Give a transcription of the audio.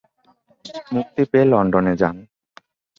মুক্তি পেয়ে লন্ডনে যান।